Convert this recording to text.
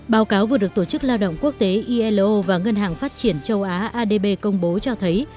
báo cáo vừa được tổ chức lao động quốc tế ilo và ngân hàng phát triển châu á adb công bố cho thấy